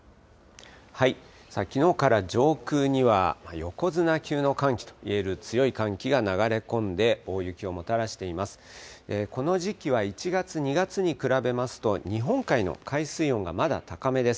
きのうから上空には横綱級の寒気といえる強い寒気が流れ込んで、大雪をもたらしています。